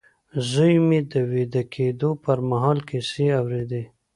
زوی مې د ويده کېدو پر مهال کيسې اورېدې.